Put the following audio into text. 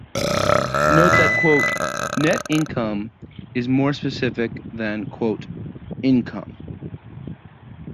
Note that "net income" is more specific than "income".